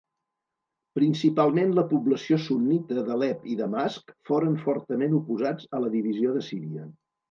Principalment la població sunnita d'Alep i Damasc foren fortament oposats a la divisió de Síria.